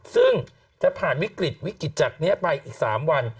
ซึ่งจะผ่านวิกฤตวิกฤตจากนี้ไปอีก๓วัน